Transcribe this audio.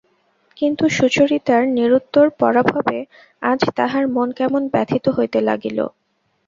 কিন্তু সুচরিতার নিরুত্তর পরাভবে আজ তাহার মন কেমন ব্যথিত হইতে লাগিল।